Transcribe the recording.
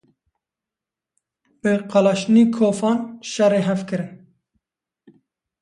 Bi Klaşnîkofan şerê hev kirin.